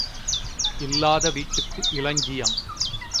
இல்லாத வீட்டுக்கு இலஞ்சியம்.